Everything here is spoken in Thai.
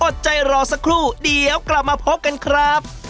อดใจรอสักครู่เดี๋ยวกลับมาพบกันครับ